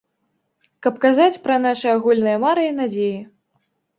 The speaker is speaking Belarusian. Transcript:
Каб казаць пра нашы агульныя мары і надзеі.